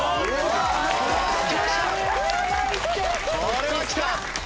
これはきた！